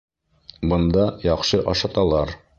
Бында яҡшы ашаталар